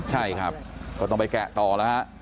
ใช่ครับก็ต้องไปแกะต่อแล้วฮะ